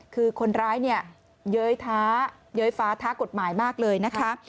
คือคนร้ายเนี่ยเย้ยท้าเย้ยฟ้าท้ากฎหมายมากเลยนะคะ